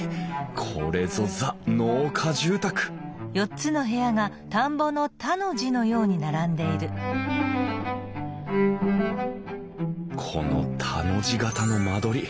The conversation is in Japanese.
これぞザ・農家住宅この田の字形の間取り。